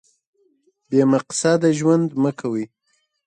بې مقصده ژوند مه کوئ.